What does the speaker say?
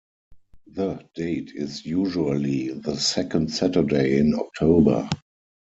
The date is usually the second Saturday in October.